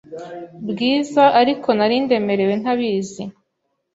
bwiza ariko nari ndemerewe ntabizi,